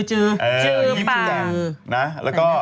หิ้มชวงอย่าง